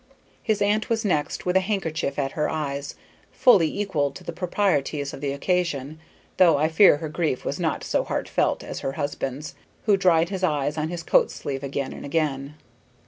His aunt was next, with a handkerchief at her eyes, fully equal to the proprieties of the occasion, though I fear her grief was not so heartfelt as her husband's, who dried his eyes on his coat sleeve again and again.